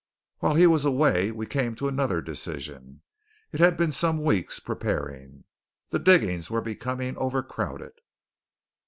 While he was away we came to another decision. It had been for some weeks preparing. The diggings were becoming overcrowded.